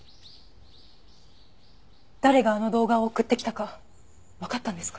誰があの動画を送ってきたかわかったんですか？